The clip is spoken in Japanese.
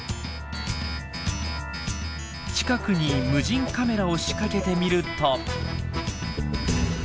近くに無人カメラを仕掛けてみると。